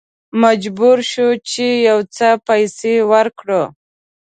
مجبور شوو چې یو څه پیسې ورکړو.